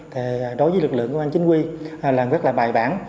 thì đối với lực lượng công an chính quy là rất là bài bản